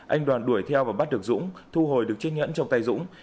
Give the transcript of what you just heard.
anh đoàn đuổi theo và bắt được dũng thu hồi được chiếc nhẫn trong tay dũng